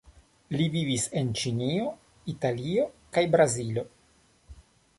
Li vivis en Ĉinio, Italio kaj Brazilo.